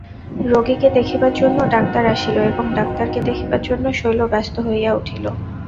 রোগীকে দেখিবার জন্য ডাক্তার আসিল এবং ডাক্তারকে দেখিবার জন্য শৈল ব্যস্ত হইয়া উঠিল।